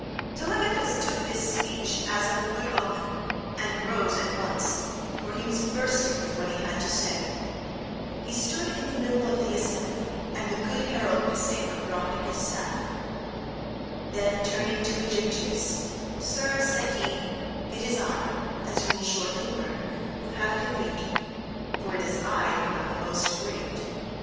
Telemachus took this speech as of good omen and rose at once, for he was bursting with what he had to say. He stood in the middle of the assembly and the good herald Pisenor brought him his staff. Then, turning to Aegyptius, "Sir," said he, "it is I, as you will shortly learn, who have convened you, for it is I who am the most aggrieved.